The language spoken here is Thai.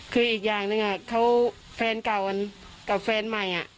คืออีกอย่างหนึ่งเขาแฟนเก่ากับแฟนใหม่